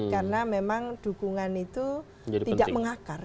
karena memang dukungan itu tidak mengakar